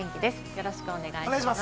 よろしくお願いします。